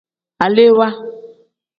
Alewaa.